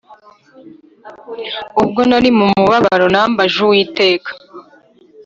Ubwo nari mu mubabaro nambaje Uwiteka